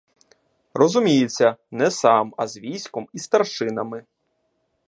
Розуміється, не сам, а з військом і старшинами.